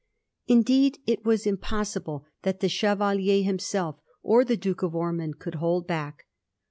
Indeed, it was impossible that the Chevalier himself or the Duke of Ormond could hold back.